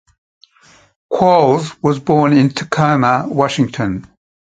Qualls was born in Tacoma, Washington.